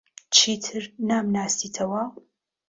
چیتر نامناسیتەوە؟